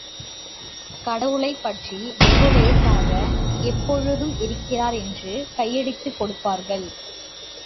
கடவுளைப் பற்றி வெகுலேசாக, எப்பொழுதும் இருக்கிறார் என்று கையடித்துக் கொடுப்பார்கள்.